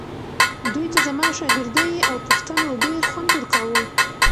دوی ته زما شاګردۍ او پوښتنو ډېر خوند ورکاوو.